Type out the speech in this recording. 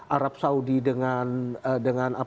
arab saudi dengan